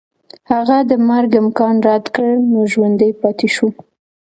هغه د مرګ امکان رد کړ نو ژوندی پاتې شو.